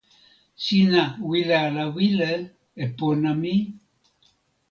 sina wile ala wile e pona mi?